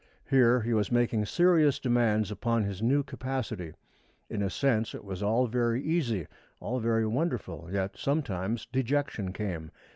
Here he was making serious demands upon his new capacity. In a sense it was all very easy, all very wonderful, yet sometimes dejection came.